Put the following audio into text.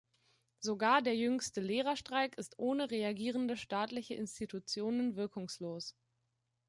Sogar der jüngste Lehrerstreik ist ohne reagierende staatliche Institutionen wirkungslos.